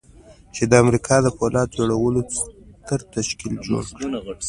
چې د امريکا د پولاد جوړولو ستر تشکيل جوړ کړي.